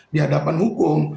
di hadapan hukum